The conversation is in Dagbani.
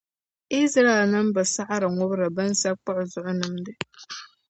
Izraɛlnim’ bi saɣiri ŋubiri binsakpuɣu zuɣu nimdi.